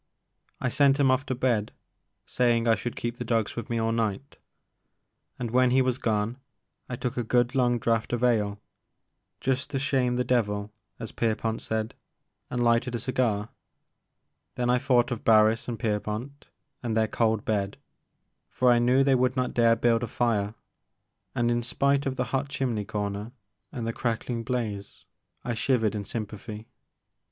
I sent him off to bed, saying I should keep the dogs with me all night ; and when he was gone, I took a good long draught of ale, *' just to shame the devil," as Pierpont said, and lighted a cigar. Then I thought of Barris and Pierpont, and their cold bed, for I knew they would not dare build a fire, and, in spite of the hot chimney comer and the crackling blaze, I shivered in sympathy.